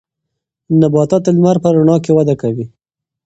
نباتات د لمر په رڼا کې وده کوي.